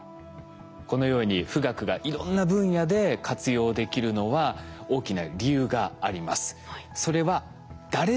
このように富岳がいろんな分野で活用できるのは大きな理由があります。